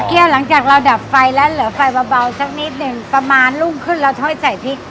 อ๋อเกี่ยวหลังจากเราดับไฟแล้วเหลือไฟเบาเบาสักนิดหนึ่งประมาณลุ่มขึ้นแล้วท้อยใส่พริก